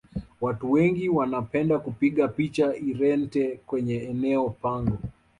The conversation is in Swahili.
watu wengi wanapenda kupiga picha irente kwenye eneo pango